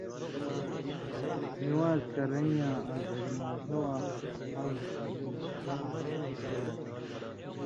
نِوان٘ز کرَیں یاں آں گھریۡماݜہ واں حقہ خامخا دی؛